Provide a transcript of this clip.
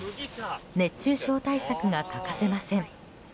熱中症対策が欠かせません。